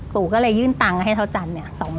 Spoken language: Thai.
ปู่ก็เลยยื่นตังค์ให้เท้าจัน๒๐๐บาท